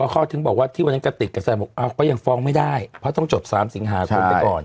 เขาถึงบอกว่าที่วันนั้นกระติกกระแสบอกก็ยังฟ้องไม่ได้เพราะต้องจบ๓สิงหาคมไปก่อน